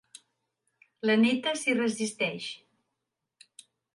La néta s'hi resisteix.